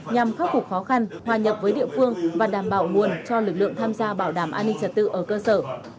nhằm khắc phục khó khăn hòa nhập với địa phương và đảm bảo nguồn cho lực lượng tham gia bảo đảm an ninh trật tự ở cơ sở